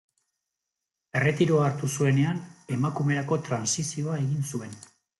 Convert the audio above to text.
Erretiroa hartu zuenean emakumerako trantsizioa egin zuen.